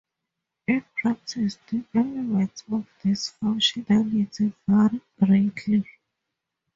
In practice, the elements of this functionality vary greatly.